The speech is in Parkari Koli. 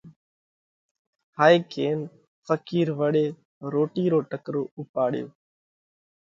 هائي ڪينَ ڦقِير وۯي روٽِي رو ٽڪرو اُوپاڙيو